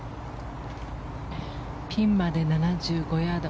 ピンまで７５ヤード。